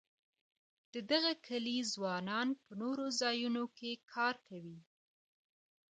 د دغه کلي ځوانان په نورو ځایونو کې کار کوي.